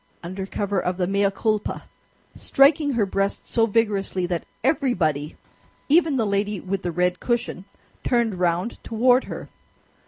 under cover of the mea culpa, striking her breast so vigorously that everybody, even the lady with the red cushion, turned round toward her.